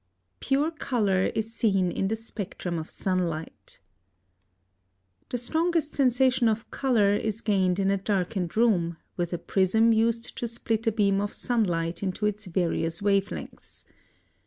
+Pure color is seen in the spectrum of sunlight.+ (87) The strongest sensation of color is gained in a darkened room, with a prism used to split a beam of sunlight into its various wave lengths.